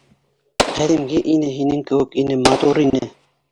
Ҡәҙимге ине, һинең кеүек ине, матур ине.